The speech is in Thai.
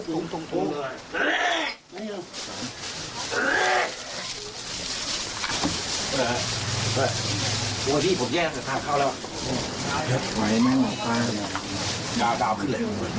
โปรดติดตามตอนต่อไป